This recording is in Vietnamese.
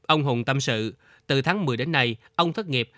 ông hùng tâm sự từ tháng một mươi đến nay ông thất nghiệp